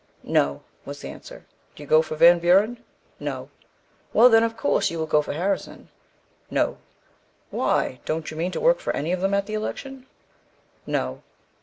"No," was the answer. "Do you go for Van Buren?" "No." "Well, then, of course you will go for Harrison." "No." "Why, don't you mean to work for any of them at the election?" "No."